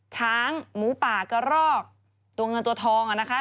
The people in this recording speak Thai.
ช้างหมูป่ากระรอกตัวเงินตัวทองอ่ะนะคะ